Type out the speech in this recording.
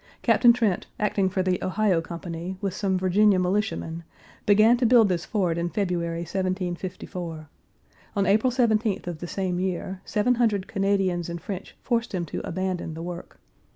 Captain Trent, acting for the Ohio Company, with some Virginia militiamen, began to build this fort in February, 1754. On April 17th of the same year, 700 Canadians and French forced him to abandon the work.